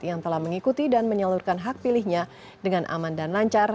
yang telah mengikuti dan menyalurkan hak pilihnya dengan aman dan lancar